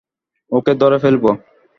ওকে ধরে ফেলবো।